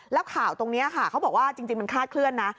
แล้วข่าวตรงนี้ค่ะเขาบอกว่าจริงมันคลาดเคลื่อนนะ